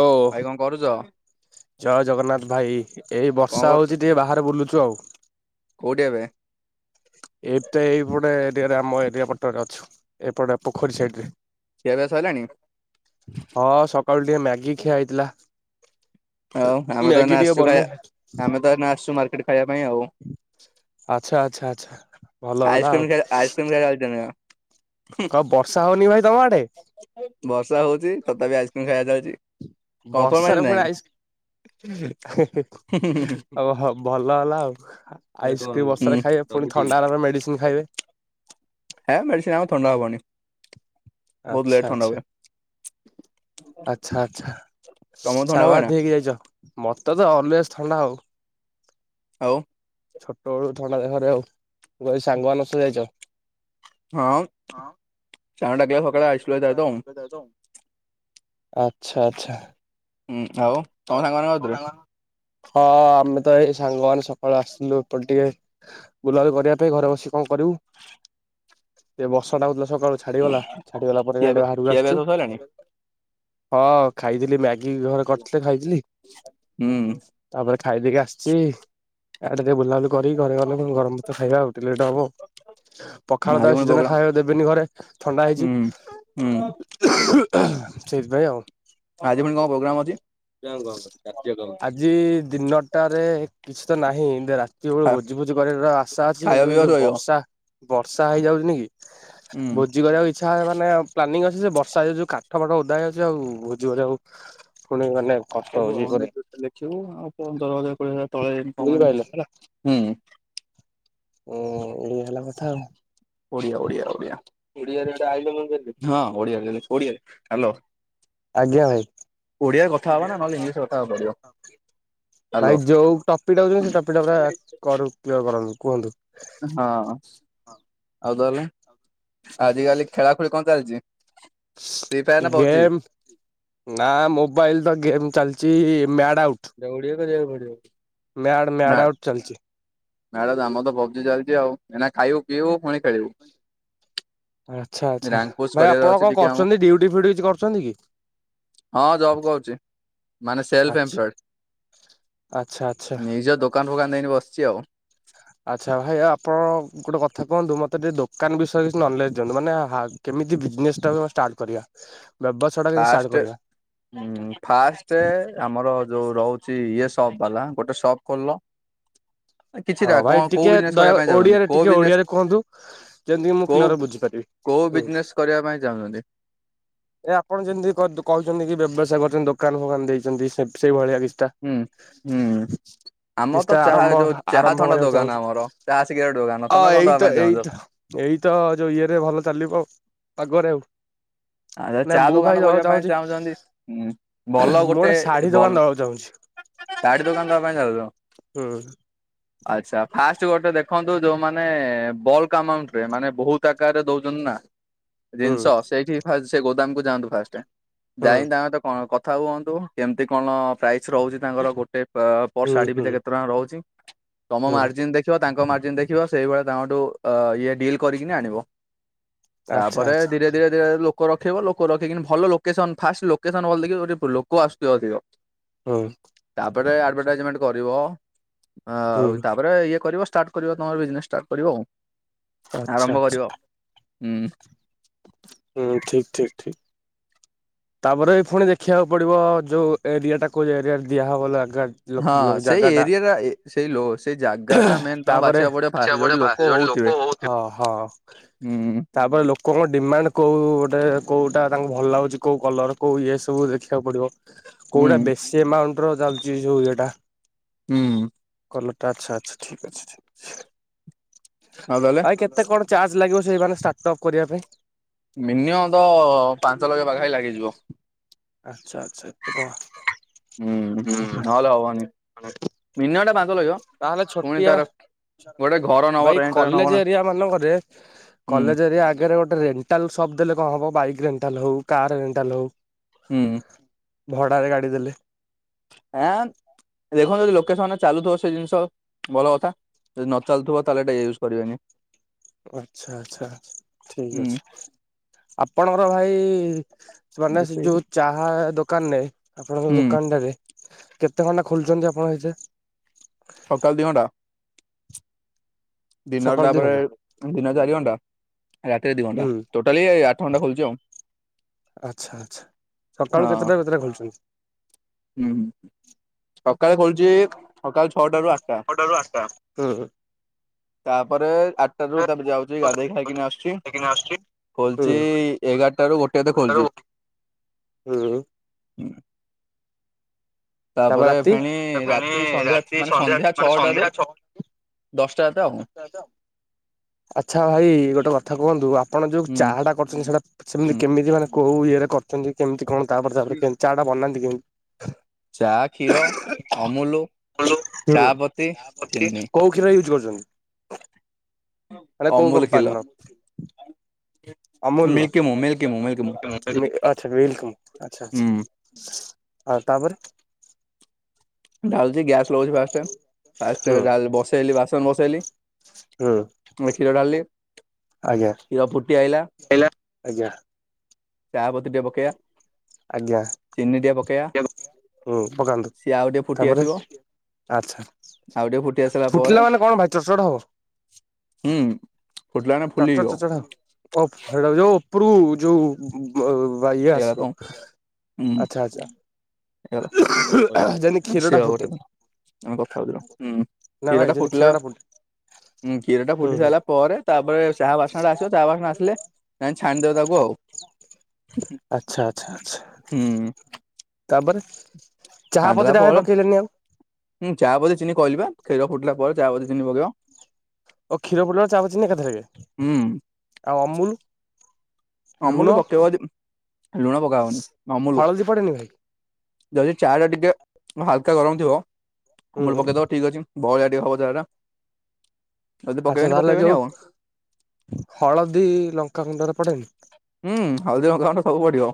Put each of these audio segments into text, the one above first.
ଓ ଭାଇ କଣ କରୁଛ? ଜୟ ଜଗନ୍ନାଥ ଭାଇ ଏଇ କଣ ବର୍ଷା କରୁଛ? ହଉଛି ଟିକେ ବାହାରେ ବୁଲୁଛୁ ଆଉ କୋଉଠି ଏବେ? ଏ ତ ଏଇପୋଟେ ଏରିଆରେ ଆମ ଏରିଆ ପଟରେ ଅଛୁ ଏପଟେ ପୋଖରୀ ସାଇଡ ରେ ଖୀଆ ପିଆ ସଇଲାଣ? ହଁ ସକାଳୁ ଟିକିେ ମ୍ୟାଗି ଖିଆ ହେଇଥିଲା। ହଉ ଆମେ ତେ ମ୍ୟାଗି ଟିକେ ଆସିଛୁ ଖାଇ ବନେଇ ଆମେ ତଏଇନେ ଆସଛୁ ମାର୍କେଟ ଖାଇବା ପାଇଁ ଆଉ ଆଚ୍ଛା ଆଚ୍ଛା ଆଚ୍ଛା ଭଲ ହେଲା ଆଉ ଆଇସ୍କ୍ରିମ ଖେ ଆଇସ୍କ୍ରିମ ଖାଇାଉଛନ୍ତିନ କ ବର୍ଷା ହଉନି ଭାଇ ତମ ଆଡେ? ବର୍ଷା ହଉଛି ତଥାପି ଆଇସ୍କ୍ରିମ ଖାଇବା ଯାଉଚି। ବର୍ଷାର ପୁଣି ଆଇସକ୍ରିମ? ହୋଉ ହୋଉ ଭଲ ହେଲା ଆଉ ହୁଁ ଆଇସ୍କ୍ରିମ୍ ହୁଁ ବର୍ଷା ହୁଁ। ରେ ଖାଇବେ ପୁଣି ଥଣ୍ଡା ହେଲାରେ ମେଡିସିନ ଖାଇବେ। ହେଁ ମେଡିସିନ ଆମକୁ ଥଣ୍ଡା ହବନି। ବହୁତ ଲେଟ୍ ଆଚଛା ଥଣ୍ଡା ଆଚଛା ହୁଏ। ଆଚଛା ଆଚଛା ତମକୁ ଥଣ୍ଡା ହୁଏ ନା? ସାଙ୍ଗସାଥି ହେଇକି ଯାଇଛ ମତେ ତ ଅଲୱେଜ ଥଣ୍ଡା ଆଉ ଆଉ? ଛୋଟ ବେଳୁ ଥଣ୍ଡା ଦେହରେ ଆଉ ମୁ କହିଲି ସାଙ୍ଗ ମାନଙ୍କ ସହ ଯାଇଛ? ହଁ ଚାଙ୍ଗ ହଁ ଟକିଲ ସକାଳଳେ ଆଇସ୍ିଲ ଉ ଆଚ୍ଛା ଆଚ୍ଛା ହଁ ଆଉ? ତମ ସାଙ୍ଗମାନଙ୍କ କତିରେ ହଁ ଆମେ ତ ଏଇ ସାଙ୍ଗ ମାନ ସକାଳୁ ଆସିଲୁ ଏପଟ ଟିକେ ବୁଲାବୁଲି କରିବା ପାଇଁ ଘରେ ବସି କଣ କରିବୁ ଏ ବର୍ଷା ଟା ବଉ ସକାଳୁ ଛାଡି ଗଲା ଛାଡିଗଲା ପରେ ଖିଆପିଆ ବାହାରକୁ ଖିଆପିଆ ଆସିଛୁ ସବୁ ସଇଲାଣି? ହଁ ଖାଇଥିଲି ମ୍ୟାଗି। କରିଥିଲେ ଖାଇଥିଲି। ହୁଁ, ତାପରେ ଖାଇଦେଇକି ଆସିଛି ଆଡେ ଟିକେ ବୁଲାବୁଲି, କରି ଘରେ ଗଲେ ଗରମ ଭାତ ଖାଇବା ଆ ଉଉଟିଲେଟ ହବ। ପଖାଳ ଆଜି ତ ପୁଣି ସିଜନ ପ୍ରୋଗ୍ରାମ। ଖାଇବା ଦେବେନି ଘରେ ଥଣ୍ଡା ହୁଁ। ହେଇଛି। ହୁଁ ସେଇଥିପାଇଁ ଆଉ, ଆଜି ପୁଣି କଣ ପ୍ରୋଗ୍ରାମ ଅଛି? ଜି ଦିନଟାରେ କିଛି ତ ନାହିଁଏନ୍ଦେ ରାତି, କି ବେଳୁ ଖା ଭୋଜି ଭୋଜି କରିବାର ଆଶା ଅଛି ଖାଇବ କିନ୍ତୁ ଏଇ ପିଇବ ଯୋଉ ଶୋଇବ। ବର୍ଷା ବର୍ଷା ହେଇଯାଉଛି ନି କି? ହୁଁ। ବୁ ଭୋଜି କରିବାକୁ ଇଚ୍ଛା ମାନେ ପ୍ଲନିଙ୍ଗ୍ ଅଛି ଯେ ବର୍ଷା ଯୋଉ କାଠ ପାଠ ଓଦା ହେଇ ଅଛି ଆଉ ଭୋଜି କରିବାଉ, ପୁଣି ମାନେ, ସବୁେ [unintelligible] ଲେଖିବୁ, ଆଉ ପନ୍ଦର ହଜାର କୋଡିଏ ହଜାର ତଳେ ବୁଝିପାରିଲେ କଲା ହୁଁ ହୁଁ, ହେଲା କଥା ଆଉ ଓଡିଆ ଓଡିଆ ଓଡିଆ ଓଡିଆରେ [unintelligible] ହଁ ଓଡିଆ ଓଡିଆରେ ହ୍ୟାଲ ଆଜ୍ଞା ଭାଇ, ନା ଓଡ଼ିଆ ରେ ନହେଲେ କଥା ଇଂଲିଶରେ ହବ। ହବାକୁ ପଡିବ ହାଲୋ। ଭାଇ ଯୋଉ ଟପିଟା ହଉଛନ୍ତି ସେ ଟପିଟା ପୁରା। କରୁ କ୍ଲିୟର କରନ୍ତୁ କୁହନ୍ତୁ, ହଁ ଆଉ ତାହଲେ, ଆଜିକାଲି ଖେଳା ଖେଳି କଣ ଚାଲିଛି? ଗେମ୍ ନା ମୋବାଇଲ ତ ଗେମ୍ ଚାଲିଛି ମ୍ୟାଟ୍ ଆଉଟ୍। ଏଇଟା ଓଡ଼ିଆ କରିବାକୁ ପଡିବ, ମ୍ୟାଡ ମ୍ୟାଡ ଆଉଟ୍ ଚାଲିଛି। ମେଳା ଆମର ତ ଭଜି ଚାଲିଛି ଆଉ ଏଇନା ଖାଇବୁ ପିଇବୁ ପୁଣି ଖେଳିବୁ। ଆଚ୍ଛା ଆଚ୍ଛା ରାଙ୍କ ପୋଷ୍ଟ ଭାଇ କରିବାର ଆପଣ ଅଛି କଣ ଟିକେ ଆମ କରୁଛନ୍ତି, ଡଉଟି ଫୁଟି କିଛି କରଛନ୍ତି କି? ହଁ ଜବ୍ କରୁଛି ମାନେ ସେଲ୍ଫ ଏମ୍ପ୍ଲଏଡ଼। [unintelligible] ଆଛା ଆଛା ନିଜ ଦୋକାନ କୁ ଅନେୟି ବସିଛି ଆଉ? ଆଚ୍ଛା ଭାଇ ଆପଣ ଗୋଟେ କଥା କୁହନ୍ତୁ, ମୋତେ ଟିକେ ଦୋକାନ ବିଷୟରେ କିଛି ନଲେଜ୍ ଦିଅନ୍ତୁ। ମାନେ ହା କେମିତି ବିଜନେସ୍ ଟା ମ ଷ୍ଟାର୍ଟ କରିବା। ବେପାର ଫାଆଷ୍ଟ, ଉଁ ଫାଷ୍ଟ ଆମର ଯୋଉ ରହୁଛି ଇଏ ସପ୍ ବାଲା ଗୋଟେ ସପ୍ ଖୋଲିଲ। [unintelligible] କିଛିଟା ହଁ କଣ ଭାଇ କୋଉ ଟିକେ ବିଜନେସ କରିବା ଦୟା ପାଇଁ ଚାହୁଛନ୍ତି ଓଡିଆରେ କୋଉ ଟିକେ ବିଜନେସ ଓଡିଆରେ କୁହନ୍ତୁ ଯେମିତିକି ମୁଁ କୋଉ କ୍ଲିଅରରେ ବୁଝିପାରିବି? କୋଉ ହୁଁ ବିଜନେସ୍ କରିବା ପାଇଁ ଚାହୁଁଛନ୍ତି? ଏ ଆପଣ ଯେମିତି କହୁଛନ୍ତି, କି ବ୍ୟବସାୟ କରଛନ୍ତି ଦୋକାନ ଫୋକାନ ଦେଇଛନ୍ତି ସେଇଭଳିଆ କି। ହୁଁ ହୁଁ ଆମର ତ [unintelligible] ଚାହା ଆରମ୍ଭ ଯୋଉ ଚାହା ଆରମ୍ଭ ଥଣ୍ଡା କରିବାକୁ ଦୋକାନ ଚାହୁଁଛୁ। ଆମର ଚାହା ସିଗାରେଟ ଦୋକାନ ଅ ତମେ କଣ ଦବା ଏଇତ ପାଇଁ ଚାହୁଁଛ? ଏଇତ, ଏଇତ ଯୋଉ ଇଏରେ ଭଲ ଚାଲିବ ପଗରେ। ଆଉ ଆ ନା ଚା ମୁଁ ଭାଇ ଦୋକାନ କରିବା ପାଇଁ ଚାହୁଁଛି ଚାହୁଁଛନ୍ତି, ଭଲ ମୁଁ ଗୋଟେ ଶାଢୀ ଦୋକାନ ଭଲ ଦବାକୁ ଚାହୁଁଛି। ଶାଢୀ ଦୋକାନ ଦବା ପାଇଁ ଯାଉଛ। ହୁଁ, ଆଚ୍ଛା ଫାଷ୍ଟ ଗୋଟେ ଦେଖନ୍ତୁ। ଯୋଉମାନୋନ ବଲକ ଆମାଉଣ୍ଟରେ ମାନେ, ବହୁତ ଆକାରରେ ଦଉଛନ୍ତି ନା ହୁଁ ଜିନିଷ ସେଇଠି ଫାଷ୍ଟ ସେ ଗୋଦାମକୁ ଯାଆନ୍ତୁ ଫାଷ୍ଟରେ, ହୁଁ ଯାଇନି ତାଙ୍କ ତଙ୍କ କ କଥା ହୁଅନ୍ତୁ କେମିତି କଣ ପ୍ରାଇସ୍ ରହୁଛି ତାଙ୍କର ଗୋଟେ ହୁଁ ପରଶାଢୀ ହୁଁ ପିଛା କେତେ ଟଙ୍କା ରହୁଛି ତମ ହୁଁ ମାର୍ଜିିନ୍ ଦେଖ ତାଙ୍କ ମାର୍ଜିନ୍ ଦେଖିବ ସେଇଭଳି ତାଙ୍କଠୁ ଇଏ ଡିଲ୍ କରିକିନି ଆଣିବ ଆଚ୍ଛା ତାପରେ ଆଚ୍ଛା ଧୀରେ ଧୀରେ ଧୀରେରେ ଲୋକ ଲୋକ ରଖେଇବ ଲୋକ ରଖିବ ଭଲ ଲୋକେସନ୍ ଫାଷ୍ଟ ଲୋକେସନ୍ ଭଲ ଗୋଟେ ଲୋକ ଆସୁଥିବେ ଅଧିକ ହୁଁ ତାପରେ ଆଡଭାଇଟାଇଜିମେଣ୍ଟ କରିବ ତା ହୁଁ ତାପରେ ଇଏ କରିବ ଷ୍ଟାର୍ଟ କରିବ ତମର ବିଜେନେସ୍ ଷ୍ଟାର୍ଟ କରିବ ଆଉ ଆଚ୍ଛା ଆରମ୍ଭ ଆଚ୍ଛା କରିବ ହୁଁ ହୁଁ ଠିକ୍ ଠିକ୍ ଠିକ୍ ତାପରେ ବି ପୁଣି ଦେଖିବାକୁ ପଡ଼ିବ ଯୋଉ ଏରିଆଟା କେଉ ଏରିଆରେ ଦିଆହବ ଆଗ ହଁ ସେଇ ଜାଗା ଟା ଏରିଆ ସେଇ ସେଇ ଜାଗା ଟା ମେନ୍ ତମ ତାପରେ ବାଛିବାକୁ ପଡିବ ଫାଷ୍ଟ ଦେଖିବାକୁ ଯୋଉଠି ପଡ଼ିବ ଲୋକ ଫାଷ୍ଟେ ହଉଥିବେ। ଲୋକ ହଉ ହଁ ହଁ ହୁଁ କଣ ଡିମାଣ୍ଡେ କେଉଁ ଗୋଟେ କେଉଁଟା ତାଙ୍କୁ ଭଲ ଲାଗୁଛି କେଉଁ କଲର୍ କେଉଁ ଇଏ ସବୁ ଦେଖିବାକୁ ପଡ଼ିବ ହୁଁ କୋଉଟା ବେଶୀ ଏମାଉଣ୍ଟର ଚାଲିଛି ଯଉ ଇଏଟା ହୁଁ କଲରଟା ଆଚ୍ଛା ଆଚ୍ଛା ଠିକ୍ ଅଛି ଠିକ୍ ଅଛି ନଦେଲେ ଭାଇ ଇ କେତେ କଣ ଚାର୍ଜ ଲାଗିବ ସେଇମାନୋନ ଷ୍ଟାର୍ଟ ଅପ୍ କରିବା ପାଇଁ ମିନିୟମତ ପାଞ୍ଚ ଲକ୍ଷ ପାଖା ପାଖି ଲାଗିଯିବ ଆଚ୍ଛା ଆଚ୍ଛା ଏତେ ଟଙ୍କା ହୁଁ ନହେଲେ ହବନି ମିନିୟମଟା ପାଞ୍ଚ ତାହେଲେ ପୁଣି ଛୋଟିଆ ତାର ଗୋଟେ ଘର ନବ ଭାଇ ରେଣ୍ଟରେ ନବ କଲେଜ୍ ନା ଏରିଆ ମାନଙ୍କରେ ହୁଁ କଲେଜ୍ ଏରିଆ ଆଗରେ ଗୋଟେ ରେଣ୍ଟାଲ୍ ସପ୍ ଦେଲେ କଣ ହବ ବାଇକ ରେଣ୍ଟାଲ୍ ହଉ କାର ରେଣ୍ଟାଲ ହଉ ହୁଁ ଭଡ଼ାରେ ଗାଡ଼ି ଦେଲେ ହଁ ଦେଖନ୍ତୁ ଯଦି ଲୋକସନରେ ଚାଲୁଥିବ ସେ ଜିନିଷ ଭଲ କଥା ଯଦି ନ ଚାଲଥିବ ତାହେଲେ ଏଟା ୟୁଜ୍ କରିବାନି ଆଛା ଆଚ୍ଛା ଠିକ୍ ହୁଁ ଅଛି ଆପଣଙ୍କର ଭାଇ ମାନେ ସେ ଯୋଉ ଚାହା ଦୋକାନରେ ଆପଣଙ୍କ ହୁଁ ଦୋକାନଟାରେ କେତେ ଘଣ୍ଟା ଖୋଲୁଛନ୍ତି ଆପଣ ସେଇଥି ସକାଳେ ଦି ଘଣ୍ଟା ଦିନରେ ସକାଳୁ ଦି ତାପରେ ଘଣ୍ଟା ଦିନରେ ଚାରି ଘଣ୍ଟା ରାତିରେ ଦି ହୁଁ ଘଣ୍ଟା ଟୋଟାଲି ଆଠ ଘଣ୍ଟା ଖୋଲୁଛି ଆଉ ଆଚ୍ଛା ଆଚ୍ଛା ହଁ ସକାଳୁ କେତେଟା ଭିତରେ ଖୋଲୁଛନ୍ତି ହୁଁ ସକାଳେ ଖୋଳୁଛି ସକାଳ ଛଅଟା ରୁ ଆଠଟା ଛଅଟା ରୁ ଆଠ ଟା ହିଁ ତାପରେ ଆଠଟା ରୁ ତାପରେ ଯାଉଛି ଗାଧୋଇକି ଖାଇକିନା ଆସୁଛି କିନା ଆସୁଛି। ଖୋଲୁଛି ହୁଁ ଏଗାରଟା ରୁ ଗୋଟେ ଭିତରେ ଖୋଲୁଛି ହୁଁ। ତାପରେ ରାତି ଫେଣି ରାତି ସନ୍ଧ୍ୟା ରାତି ମାନେ ସନ୍ଧ୍ୟା ମାନେ ଛଅଟାରୁ ସନ୍ଧ୍ୟା ଛଅ ଦଶଟା ତ ଦଶ ଟା ତ ଆଚ୍ଛା ଭାଇ ଗୋଟେ କଥା କୁହନ୍ତୁ ଆପଣ ଯୋଉ ହୁଁ ଚାହା ଟା କରୁଛନ୍ତି ସେଇଟା ସେମିତି ହୁଁ। କେମିତି ମାନେ କୋଉ ଇଏରେ କରୁଛନ୍ତି କେମିତି କଣ ତାପରେ ତାପରେ କେମତି ଚା ଟା ବନାନ୍ତି କେମିତି ଚା କ୍ଷୀର ଅମୁଲୁ ଚା ପତି ହୁଁ ଚିନି କୋଉ କ୍ଷୀର ୟୁଜୁ କରୁଛନ୍ତି ମାନେ କୋଉ ଅମୁଲ କ୍ଷୀର କମ୍ପାନୀର ଅମୁଲ ର ମିଲ୍କି ମୁଁ ମିଲ୍କି ମୁଁ ମିଲ୍କି ମୁଁ ମାନ ମିଲକମିର ଆଚ୍ଛା ହୁଁ ଆଛା ଆ ତାପରେ ଢ଼ାଳୁଛି ଗ୍ୟାସ୍ ଲଗାଉଛି ଫାଷ୍ଟ ଫାଷ୍ଟ ହୁଁ ବାସନ ବସେଇଲି ହୁଁ। ମୁଇ କ୍ଷୀର ଢ଼ାଳିଲି ଆଜ୍ଞା। କ୍ଷୀର ଫୁଟି ଆଇଲା ଆଜ୍ଞା ଚା ପତି ଟେ ପକେଇବା। ଆଜ୍ଞା। ଚିନି ଟିକେ ପକେ ଚିନି ଟିକେ ହୁଁ ପକାନ୍ତୁ। ଆଉ ଟିକେ ଫୁଟି ତାପରେ ଆସିବ ଆଚ୍ଛା ଆଉ ଟିକେ ଫୁଟି ଆସିଲା ପରେ ଫୁଟିଲା ମାନେ କଣ ଭାଇ ଚଟଚଟ ହବ? ହୁଁ। ଫୁଟିଲା ମାନେ ଚଡ଼ ଫୁଲିଯିବ ଚଡ଼ ଚଡ଼ ହବ ଓ ଯୋଉ ଉପରୁ ଯୋଉ ଇଏ ହେଇଗଲା ତ ଆସିବ ହୁଁ ଆଛା ଆଚ୍ଛା ଯେମିତି ହେଇଗଲା କ୍ଷୀର [inaudible] ଟା ସେଆ ଆଉ ଗୋଟେ ଫୁଟେ କଣ ଆମେ କଥା ହଉଚୁ ରହ ହୁଁ ନା ଭାଇ କ୍ଷୀର ଟା ଯେମିତି କ୍ଷୀର ଫୁଟିଲା ଫୁଟେ ହଁ କ୍ଷୀର ଟା ହୁଁ ଫୁଟି ହୁଁ। ସାରିଲା ପରେ ତାପରେ ଚାହା ବାସ୍ନା ଟା ଆସିବ ଚାହା ବାସ୍ନା ଆସିଲେ ନାଇଁ ଛାଣି ଦେବେ ଆଚ୍ଛା ଆଚ୍ଛା ଆଚ୍ଛା। ହୁଁ। ତାପରେ ଚାହା ଛାଣିଦେଲା ପତି ଟା ଭାଈ ପରେ ପକେଇଲେନି ଆଉ? ହୁଁ ଚା ପତି ଚିନି କହିଲି ବା କ୍ଷୀର ଫୁଟିଲା ପରେ ଚା ପତି ଚିନି ପକେଇବ। ଓ କ୍ଷୀର ଫୁଟିଲା ବେଳକୁ ଚାପ ପତି ଚିନି ଏକାଥରକେ ହୁଁ ଆଉ ଅମୁଲୁ? ଅମୁଲ ପକେଇବ ଯଦି ଲୁଣ ପକାହବନି ଅମୁଲ ହଳଦୀ ପଡେନି ଭାଇ ଯଦି ଚା ଟା ଟିକେ ହାଲକା ଗରମ ଥିବ ଅମୁଲୁ ହୁଁ ପକେଇଦବ ଠିକ ଅଛି ବହଲିଆ ଟିକେ ହବ ଚା ଟା। ଯଦି ଆଚ୍ଛା ପକେଇବେନି ତାହେଲେ ପକେଇବେନି ଯୋଉ ଆଉ। ହଳଦୀ ଲଙ୍କାଗୁଣ୍ଡ ଉଡା ପଡେନି? ହୁଁ ହଳଦୀ ଲଙ୍କା ଗୁଣ୍ଡ ସବୁ ପଡିବ।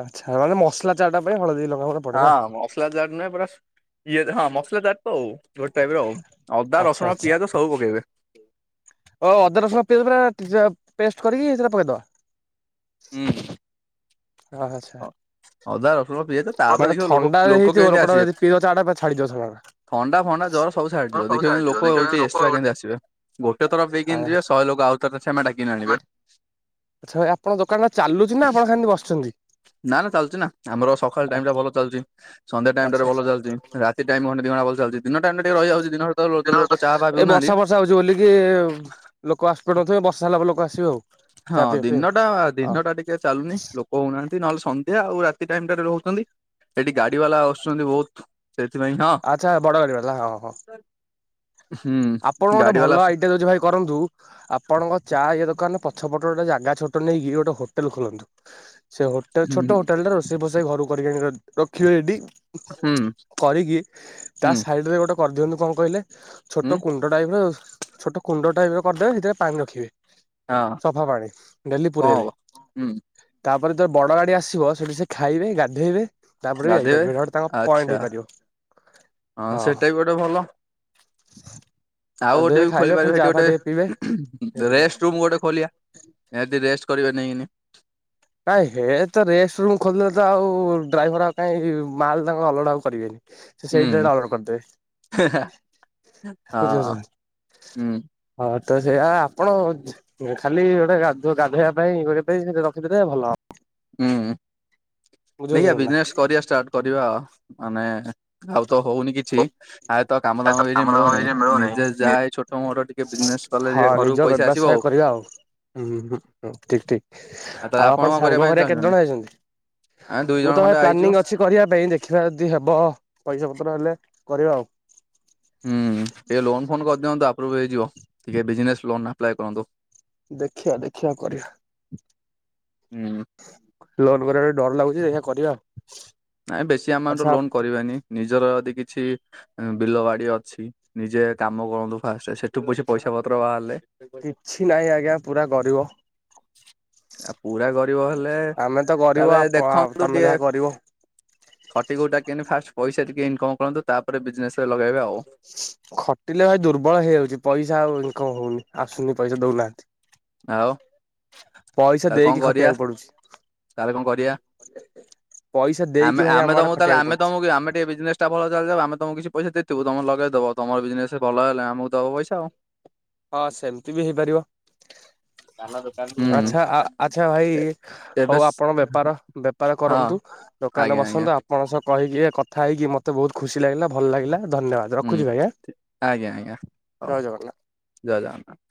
ଆଚ୍ଛା ମାନେ ମସଲା ଚାହା ଟା ପାଇଁ ହଳଦୀ ଲଙ୍କା ଗୁଣ୍ଡ ହଁ ମସଲା ଚାହା ନାହିଁ ପୂରା ଇଏରେ ହଁ ମସଲା ଚାହା ହଉ ଗୋଟେ ଟାଇପ ର ଅଦା ଆଚ୍ଛା ରସୁଣ ଆଚ୍ଛା ପିଆଜ ସବୁ ପକେଇବେ। ଓ ଅଦା ରସୁଣ ପିଆଜ ପୂରା ପେଷ୍ଟ କରିକି ସେଇଟା ପକେଇଦବା। ହୁଁ। ଆଛା ଅଦା ରସୁଣ ପିଆଜ ତାପରେ ଦେଖିବ ଲୋକ ଥଣ୍ଡା ଲୋକ ହେଇଥିବ କେମିତି ଲୋକଟା ଆସିବେ। ଯଦି ପିଇବ ଚାହା ଟା ପୁରା ଛାଡିଯିବ ଥଣ୍ଡା ଟା। ଥଣ୍ଡା ଫଣ୍ଡା ଜର ସବୁ ହଁ ଛାଡ଼ିଯିବ ସବୁ ଦେଖିବ ଲୋକ ସାହାଯ୍ୟ ଦେଖିବା କେମିତି ଲୋକ ଏକ୍ସଟା କେମିତି ଆସିବେ ଗୋଟେ ଥର ପିଇକି ଆ ଯିବେ ସହେ ଲୋକ ଆଉରି ତଥା [inaudible] ଦାକିକି ନା ଆଣିବେ ଆଚ୍ଛା ଭାଈ ଆପଣଙ୍କ ଦୋକାନ ଟା ଚାଲୁଛି ନା ଆପଣ ଖାଲି ଇମିତି ବସୁଛନ୍ତି? ନା ନା ଚାଲୁଛି ନା ଆମର ସକାଳ ଟାଇମ ଟା ଭଲ ଚାଲୁଚି ସନ୍ଧ୍ୟା ଟାଇମ ଟା ଆଚ୍ଛା ରେ ଭଲ ଚାଲୁଚି ରାତି ରାତି ଟାଇମ ଘଣ୍ଟା ଦୁଇ ଘଣ୍ଟା ଭଲ ଚାଲିଛି ଦିନ ଟାଇମ୍ ଟିକେ ରହିଯାଉଛି ଦିନ ଟାଇମ ରେ ଲୋକ ଚାହା ପାହା ଏଇ ପିଉନାହାନ୍ତି। ବର୍ଷା ବର୍ଷା ହଉଛି ବୋଲିକି ଲୋକ ଆସିପାରୁ ନଥିବେ ବର୍ଷା ହେଲା ପରେ ଲୋକ ଆସିବେ ଆଉ। ଚା ହଁ ପିଇବା ପାଇଁ ଆଉ ଦିନଟା ହଁ ଦିନ ଟା ଟିକେ ଆ ଚାଲୁନି ଲୋକ ହଉନାହାନ୍ତି ନହେଲେ ସନ୍ଧ୍ୟା ଆଉ ରାତି ଟାଇମ୍ ଟାରେ ରହୁଛନ୍ତି। ଏଠି ଗାଡି ବାଲା ଆସୁଛନ୍ତି ବହୁତ। ସେଥିପାଇଁ ତ ଆଚ୍ଛା ବଡ ଗାଡି ବାଲା ହଁ ହଁ। ଆପଣ ହୁଁ ଗୋଟେ ଗାଡି ବାଲା ଭଲ ଆସୁ ଆଇଡିଆ ଦଉଚି ଭାଇ କରନ୍ତୁ। ଆପଣଙ୍କ ଚା ଇଏ ଦୋକାନ ପଛପଟ ଗୋଟେ ଜାଗା ଛୋଟ ନେଇକି ଗୋଟେ ହୋଟେଲ ଖୋଲନ୍ତୁ। ସେ ହୋଟେଲ ହୁଁ ଛୋଟ ହୋଟେଲଟା ରୋଷେଇ ଫୋସେଇ ଘରୁ କରିକି ଆଣି ରଖିବେ ଏଠି। ହୁଁ କରିକି ତା ହୁଁ ସାଇଡ୍ ରେ ଗୋଟେ କରିଦିଅନ୍ତୁ କଣ କହିଲେ ଛୋ ହୁଁ ଛୋଟ କୁଣ୍ଡ ଟାଇପ୍ ର ଛୋଟ କୁଣ୍ଡ ଟାଇପ୍ ର କରିଦେବେ ସେଥିରେ ପାଣି ରଖିବେ। ହଁ। ସଫା ପାଣି ଡେଲି କଣ ହବ ପୁରେଇବେ। ହୁଁ ତାପରେ ଯେତଳେ ବଡ ଗାଡି ଆସିବ, ସେଠି ସେ ଖାଇବେ ଗାଧେଇବେ। ତାପରେ ବି ଗାଧେଇବେ ଯାଇପାରିବ। ଗୋଟେ ତାଙ୍କ ପଏଣ୍ଟ ଆଚ୍ଛା ହେଇପାରିବ ହଁ। ଏବେ ଭଲ। ଆଉ ଗୋଟେ ଗାଧୋଇବେ ବି ଖୋଲି ଖାଇବେ ପୁଣି ପାରିବେ। ଚା ସେଠି ଫା ଟିକେ ପିଇବେ ଗୋଟେ ହେଇପାରିବ ରେଷ୍ଟ ରୁମ୍ ଗୋଟେ ଖୋଲିବା। ହେଟି ରେଷ୍ଟ୍ କରିବେ ନେଇଁନି। ନାଇଁ ହେତ ରେଷ୍ଟ ରୁମ୍ ଖୋଲିଦେଲେ ତ ଆଉ ଡ୍ରାଇଭର ଆଉ କାହିଁ ମାଲ୍ ତାଙ୍କ ଅଲୋଡ଼ା ଆଉ କରିବେନି। ସେ ସେଇଟ ହୁଁ ନଲେ ଅର୍ଡର କରିଦେବେ ହେ ହେ ବୁଝି ହଁ ପାରୁଚ? ହୁଁ ହଁ ତ ସେଇଆ ଆପଣ ଖାଲି ଗୋଟେ ଗାଧୁ ଗାଧେଇବା ପାଇଁ ଗୋଟେ ପାଇଁ ସେ ର ସେଥିରେ ଭଲ। ହୁଁ ଦେଖିଆ ବୁଝିପାରୁଛନ୍ତି ନା ବିଜନେସ୍ କରିବା ଷ୍ଟାର୍ଟ କରିବା ଆଉ ମାନେ ଆଉ ତ ହଉନି କିଛି ଆଉ ତ କାମ ଦାମ କିଛି ମିଳୁନି। ନିଜେ ଯା ଏ ଛୋଟ ଛୋଟ ମୋଟ ଟିକେ ବିଜନେସ୍ କଲେ ହଁ ଟିକେ ନିଜ ଘରକୁ ପଇସା ଆସିବ ବ୍ୟବସାୟ ଆଉ। କରିବା ହୁଁ, ହୁଁ, ହଁ ଠିକ୍ ଠିକ୍। ତାହେଲେ ଆଉ ଆପଣ କଣ କରିବା ସାଙ୍ଗ ପାଇଁ ହେରିଆ କେତେ ଚାହୁଁଛନ୍ତି ଜଣ ଆଇଚନ୍ତି, ଆମେ ଦୁଇ ଜଣ ମୁଁ ତ ଖଣ୍ଡେ ଆଇଛୁ ପ୍ଲାନିଂ ଅଛି କରିବା ପାଇଁ ଦେଖିବା ଯଦି ହେବ ପଇସା ପତ୍ର ହେଲେ କରିବା ଆଉ। ହୁଁ ଟିକେ ଲୋନ୍ ଫୋନ୍ କରିଦିଅନ୍ତୁ, ଆପ୍ରୁଭ୍ ହେଇଯିବ। ଟିକେ ବିଜନେସ୍ ଲୋନ୍ ଆପ୍ଲାଏ କରନ୍ତୁ। ଦେଖିଆ ଦେଖିଆ କରିବା। ହୁଁ। ଲୋନ୍ କରିବା ଡର ଲାଗୁଚି ଦେଖିଆ କରିବା ଆଉ। ନାଇଁ ବେଶୀ ଆମାଉଣ୍ଟ ଆଚ୍ଛା ଲୋନ୍ କରିବାନି ନିଜର ଯଦି କିଛି ବିଲ ବାଡି ଅଛି। ନିଜେ କାମ କରନ୍ତୁ ଫାଷ୍ଟ ସେଠୁ ପସେ ପଇସା ପତ୍ର ବାହାରିଲେ କିଛି ନାହିଁ ଆଜ୍ଞା ପୁରା ଗରିବ। ଆଉ ପୁରା ଗରିବ ହେଲେ ଆମେ ତ ଗରିବ ତାହେଲେ ଆପ ଦେଖନ୍ତୁ ତମେ ଯାହା ଟିକେ କରିବ। ଖଟି ଖୁଟାକି କେମିତି ଫାଷ୍ଟ ପଇସା ଟିକେ ଇନକମ୍ କରନ୍ତୁ ତାପରେ ବିଜନେସ୍ ରେ ଲଗେଇବେ ଆଉ। ଖଟିଲେ ଭାଇ ଦୁର୍ବଳ ହେଇଯାଉଚି। ପଇସା ଆଉ ଇନକମ୍ ହଉନି। ଆସୁନି ପଇସା ଦଉନାହାନ୍ତି। ଆଉ ପଇସା ତାହେଲେ କଣ ଦେଇକି କରିବା ଖଟିବାକୁ ପଡୁଛି ତାହଲେ କଣ କରିବା? ପଇସା ଆମେ ଦେଇକି ଭାଇ ଆମେ ଆମ ଆଡେ ତମକୁ ତାହେଲେ ଖଟିବାକୁ ଆମେ ପଡୁଛି। ତମକୁ ଆମେ ଟିକେ ବିଜନେସ୍ ତ ଆପଣଙ୍କ ଚାଲିଯାଉ। ଆମେ ତମକୁ କିଛି ପଇସା ଦେଇଥିବୁ ତମର ଲଗେଇଦବ ତମର ବିଜନେସ୍ରେ ଭଲ ହେଲେ ଆମକୁ ଦବ ପଇସା ଆଉ। ହଁ ସେମିତି ବି ହେଇପାରିବ। ହୁଁ ଆଚ୍ଛା ଆଚ୍ଛା ଭାଇ ଏ- ଏବେ ହଉ ସ୍- ଆପଣ ବେପାର ବେପାର ହଁ କରନ୍ତୁ। ଦୋକାନରେ ଆଜ୍ଞା ଆଜ୍ଞା ବସନ୍ତୁ ଆ ଆପଣଙ୍କ ସହ କହିକି ଏ କଥା ହେଇକି ମତେ ବହୁତ ଖୁସି ଲାଗିଲା ଭଲ ଲାଗିଲା ଧନ୍ୟବାଦ। ହୁଁ, ରଖୁଛି ଭାଇ ଆଁ ଆଜ୍ଞା ଆଜ୍ଞା ହଉ ଜୟ ଜଗନ୍ନାଥ। ଜୟଜଗନ୍ନାଥ।